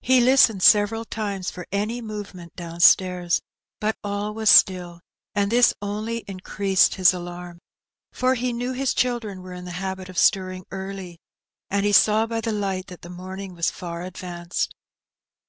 He listened several times for any move ment downstairs, but all was still; and this only increased "Oh, Death! What Dost Thou Mean?" 45 his alarm, for he knew his children were in the habit of stirring early, and he saw by the light that the morning was far advanced.